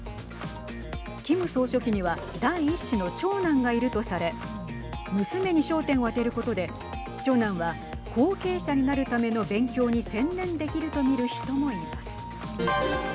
キム総書記には第１子の長男がいるとされ娘に焦点を当てることで長男は後継者になるための勉強に専念できると見る人もいます。